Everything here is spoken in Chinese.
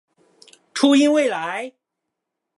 初音未来